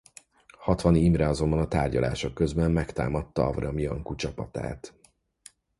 Hatvani Imre azonban a tárgyalások közben megtámadta Avram Iancu csapatát.